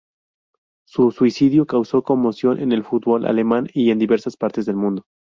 Su suicidio causó conmoción en el fútbol alemán y en diversas partes del mundo.